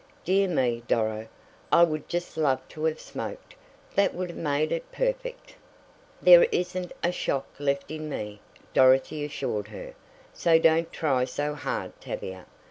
Dear me, Doro! I would just loved to have smoked! That would have made it perfect!" "There isn't a shock left in me," Dorothy assured her, "so don't try so hard Tavia.